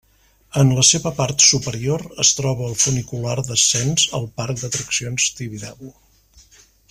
En la seva part superior es troba el funicular d'ascens al Parc d'Atraccions Tibidabo.